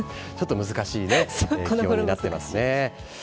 ちょっと難しいね、気温になってますね。